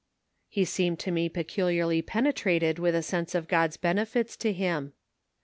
He seemed to me peculiarly penetrated with a sense of God's benefits to him.